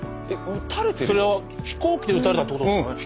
それは飛行機で撃たれたってことですかね？